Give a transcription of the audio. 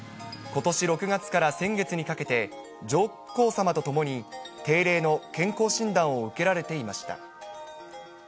ことし６月から先月にかけて、上皇さまと共に定例の健康診断を受けられていました。